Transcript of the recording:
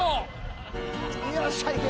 よっしゃいけ！